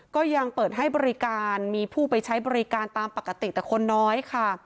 ก็ยังเปิดให้บริการมีผู้ไปใช้บริการตามปกติแต่คนน้อยค่ะ